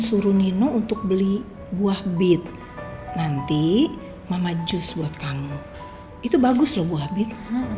suruh nino untuk beli buah bit nanti mama jus buat kamu itu bagus loh bu habit